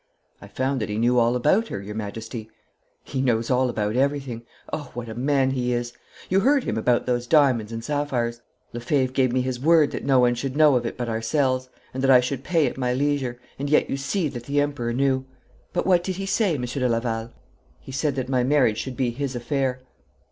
'I found that he knew all about her, your Majesty.' 'He knows all about everything. Oh, what a man he is! You heard him about those diamonds and sapphires. Lefebvre gave me his word that no one should know of it but ourselves, and that I should pay at my leisure, and yet you see that the Emperor knew. But what did he say, Monsieur de Laval?' 'He said that my marriage should be his affair.'